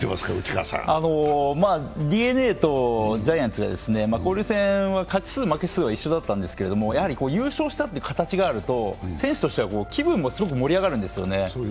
ＤｅＮＡとジャイアンツが交流戦は勝ち数、負け数は一緒だったんですけどやはり優勝したという形があると、選手としては気分もすごく盛り上がるんですよね。